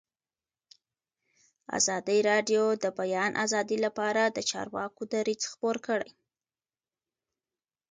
ازادي راډیو د د بیان آزادي لپاره د چارواکو دریځ خپور کړی.